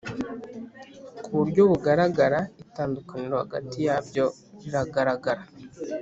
ku buryo bugaragara itandukaniro hagati yabyo riragaragara